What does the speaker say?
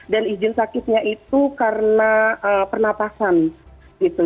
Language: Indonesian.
dan izin sakitnya itu karena pernapasan gitu